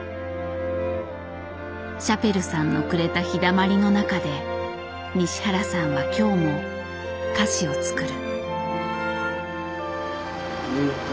シャペルさんのくれた日だまりの中で西原さんは今日も菓子を作る。